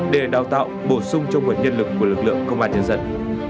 để đào tạo bổ sung cho nguồn nhân lực của lực lượng công an nhân dân